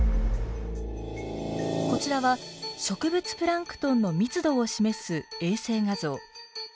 こちらは植物プランクトンの密度を示す衛星画像。